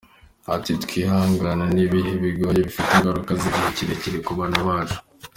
Ati “Twahanganye n’ibihe bigoye, bifite ingaruka z’igihe kirekire ku bana bacu.